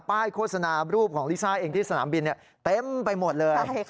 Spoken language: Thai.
โฆษณารูปของลิซ่าเองที่สนามบินเต็มไปหมดเลย